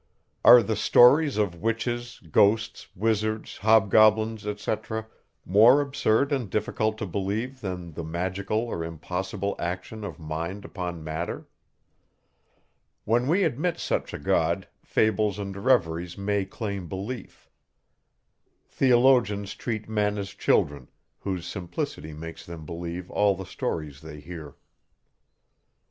Are the stories of witches, ghosts, wizards, hobgoblins, etc., more absurd and difficult to believe than the magical or impossible action of mind upon matter? When we admit such a God, fables and reveries may claim belief. Theologians treat men as children, whose simplicity makes them believe all the stories they hear.